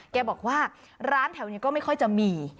แกบอกว่าร้านแถวนี้ก็ไม่ค่อยจะมี